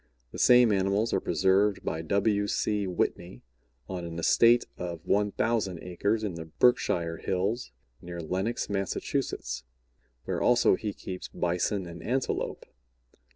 The same animals are preserved by W. C. Whitney on an estate of 1,000 acres in the Berkshire Hills, near Lenox, Mass., where also he keeps Bison and Antelope.